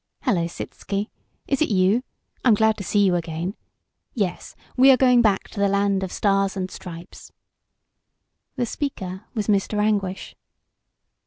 "Hello, Sitzky! Is it you? I'm glad to see you again. Yes, we are going back to the land of the Stars and Stripes." The speaker was Mr. Anguish.